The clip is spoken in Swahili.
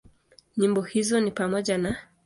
Nyimbo hizo ni pamoja na;